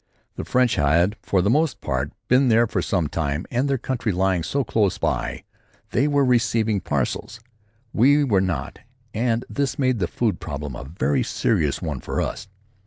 The French had for the most part been there for some time, and, their country lying so close by; they were receiving parcels. We were not, and this made the food problem a very serious one for us.